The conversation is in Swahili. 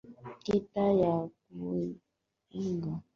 kati ya lugha katika jamii kubwa ya lugha za kibantu